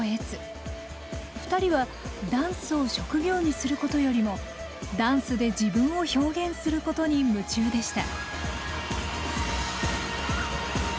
２人はダンスを職業にすることよりもダンスで自分を表現することに夢中でした。